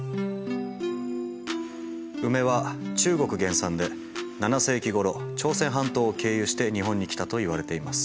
ウメは中国原産で７世紀ごろ朝鮮半島を経由して日本に来たといわれています。